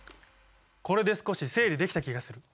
これで少し整理できた気がする！